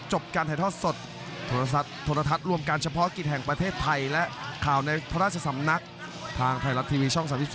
จำการเฉพาะกิจแห่งประเทศไทยและข่าวในพระราชสำนักทางไทยรัฐทีวีช่อง๓๒